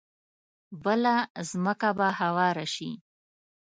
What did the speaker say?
بله ځمکه به هواره شي.